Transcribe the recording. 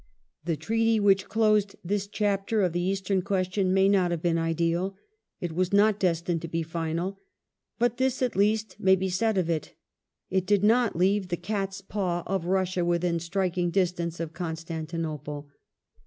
The Treaty which closed this chapter of the Eastern question may not have been ideal, it was not destined to be final, but this at least may be said of it : it did not leave the cat's paw of Russia within striking distance of Constantinople.